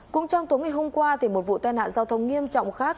cũng trong tối ngày hôm qua một vụ tai nạn giao thông nghiêm trọng khác